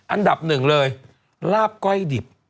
อันดับ๑เลยลาบก้อยดิบ